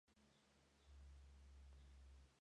El nombre científico honra a Johann Georg Gmelin.